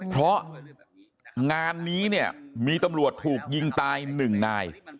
เพราะงานนี้เนี่ยมีตำรวจถูกยิงตาย๑นาย